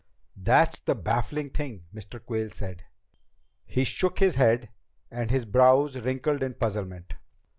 "That's the baffling thing," Mr. Quayle said. He shook his head, and his brows wrinkled in puzzlement.